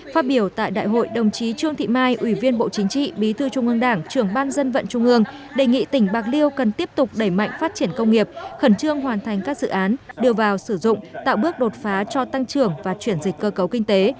phát biểu tại đại hội đồng chí trương thị mai ủy viên bộ chính trị bí thư trung ương đảng trưởng ban dân vận trung ương đề nghị tỉnh bạc liêu cần tiếp tục đẩy mạnh phát triển công nghiệp khẩn trương hoàn thành các dự án đưa vào sử dụng tạo bước đột phá cho tăng trưởng và chuyển dịch cơ cấu kinh tế